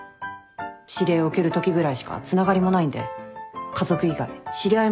指令を受けるときぐらいしかつながりもないんで家族以外知り合いもいません。